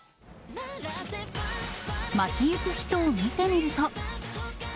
街行く人を見てみると。